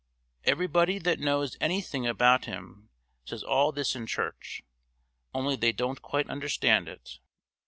Everybody that knows anything about Him says all this in church, only they don't quite understand it.